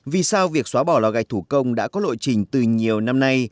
vì sao việc xóa bỏ lò gạch thủ công đã có lộ trình từ nhiều năm nay